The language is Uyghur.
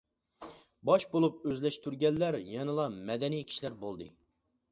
باش بولۇپ ئۆزلەشتۈرگەنلەر يەنىلا مەدەنىي كىشىلەر بولدى.